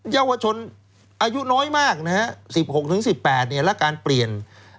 เยาวชนอายุน้อยมากนะฮะ๑๖๑๘และการเปลี่ยน